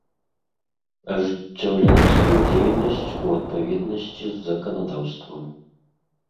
Ажыццяўляць сваю дзейнасць у адпаведнасцi з заканадаўствам.